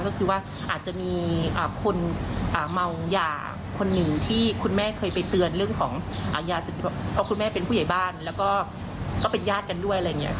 ก็คือว่าอาจจะมีคนเมายาคนหนึ่งที่คุณแม่เคยไปเตือนเรื่องของยาเสพติดเพราะคุณแม่เป็นผู้ใหญ่บ้านแล้วก็เป็นญาติกันด้วยอะไรอย่างนี้